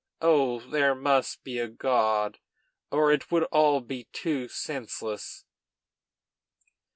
Oh! there must be a God, or it would all be too senseless."